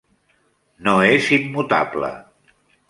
No és immutable.